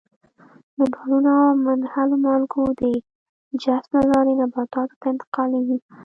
منرالونه او منحلو مالګو د جذب له لارې نباتاتو ته انتقالیږي.